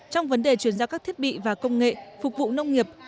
trong vấn đề chuyển ra các thiết bị và công nghệ phục vụ nông nghiệp